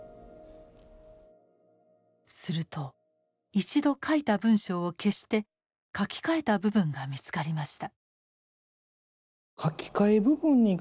すると一度書いた文章を消して書き換えた部分が見つかりました。